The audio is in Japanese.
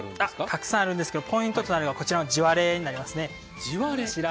たくさんあるんですけれども、ポイントとなるのがこちらの地割れになりますね。